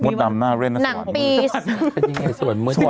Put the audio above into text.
เป็นการกระตุ้นการไหลเวียนของเลือด